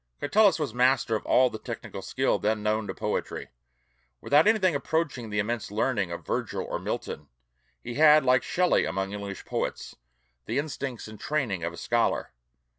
Catullus was master of all the technical skill then known to poetry. Without anything approaching the immense learning of Virgil or Milton, he had, like Shelley among English poets, the instincts and training of a scholar.